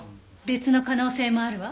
別の可能性もあるわ。